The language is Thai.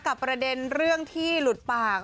ประเด็นเรื่องที่หลุดปาก